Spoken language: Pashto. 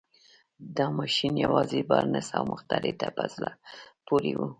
دا ماشين يوازې بارنس او مخترع ته په زړه پورې و.